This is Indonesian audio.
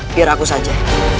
biar aku saja